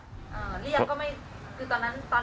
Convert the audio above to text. อ๋อเรียกก็ไม่คือตอนนั้นตอนนี้เขา